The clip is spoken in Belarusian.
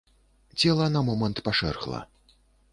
Цела на момант пашэрхла.